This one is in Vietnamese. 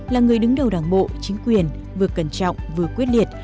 là người đứng đầu đảng bộ chính quyền vừa cẩn trọng vừa quyết liệt